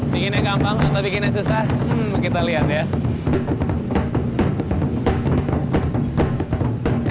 bikinnya gampang atau bikinnya susah kita lihat ya